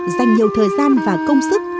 dành nhiều thời gian và công sức